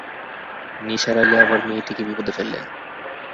নিসার আলি আবার মেয়েটিকে বিপদে ফেললেন।